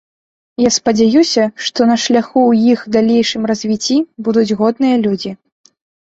Я спадзяюся, што на шляху ў іх далейшым развіцці будуць годныя людзі.